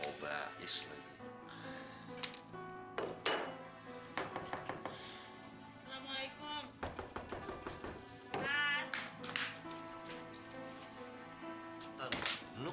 udah dibilangin kalau mau ninggalin rumah